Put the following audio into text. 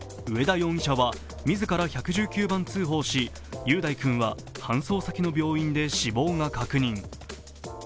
上田容疑者は自ら１１９番通報し、雄大君は搬送先の病院で死亡が確認。